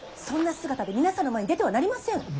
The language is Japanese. そんな姿で皆さんの前に出てはなりません。